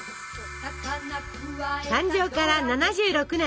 誕生から７６年！